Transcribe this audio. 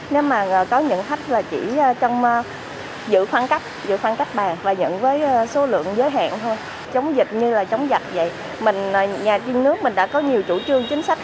nếu mà có những khách là chỉ trong giữ khoảng cách